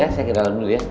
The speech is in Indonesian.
ya saya ke dalam dulu ya